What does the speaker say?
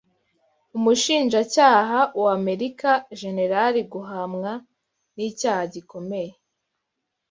umushinjacyaha wa Amerika Jenerali guhamwa n'icyaha gikomeye